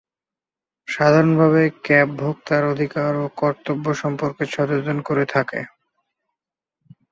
সাধারণভাবে ক্যাব ভোক্তার অধিকার ও কর্তব্য সম্পর্কে সচেতন করে থাকে।